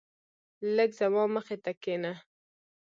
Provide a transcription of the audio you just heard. لږ زما مخی ته کينه